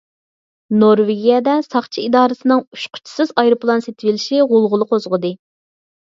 نورۋېگىيەدە ساقچى ئىدارىسىنىڭ ئۇچقۇچىسىز ئايروپىلان سېتىۋېلىشى غۇلغۇلا قوزغىدى.